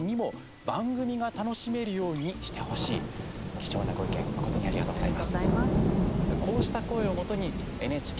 貴重なご意見誠にありがとうございます。